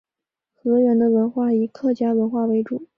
河源的文化以客家文化为主。